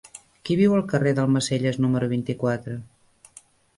Qui viu al carrer d'Almacelles número vint-i-quatre?